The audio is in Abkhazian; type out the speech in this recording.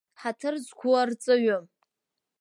Ҳаҭыр зқәу арҵаҩы!